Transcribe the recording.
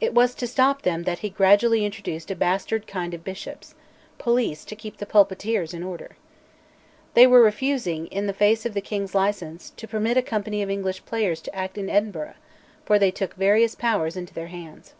It was to stop them that he gradually introduced a bastard kind of bishops, police to keep the pulpiteers in order. They were refusing, in face of the king's licence, to permit a company of English players to act in Edinburgh, for they took various powers into their hands.